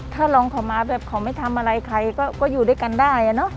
ถ้าลองขอมาแบบขอไม่ทำอะไรใครก็อยู่ด้วยกันได้